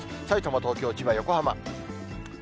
さいたま、東京、千葉、横浜。